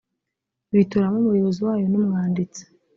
bitoramo umuyobozi wayo n umwanditsi